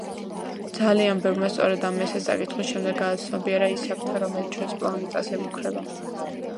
ძალიან ბევრმა სწორედ ამ ესეს წაკითხვის შემდეგ გააცნობიერა ის საფრთხე, რომელიც ჩვენს პლანეტას ემუქრება.